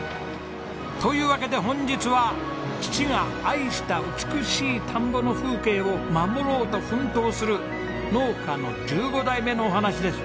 というわけで本日は父が愛した美しい田んぼの風景を守ろうと奮闘する農家の１５代目のお話です。